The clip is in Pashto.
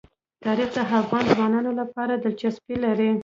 تاریخ د افغان ځوانانو لپاره دلچسپي لري.